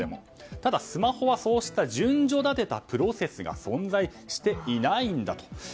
ただ、スマホはそうした順序立てたプロセスが存在していないんだと。